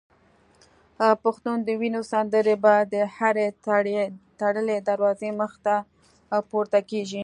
پښتون د وینو سندري به د هري تړلي دروازې مخته پورته کیږي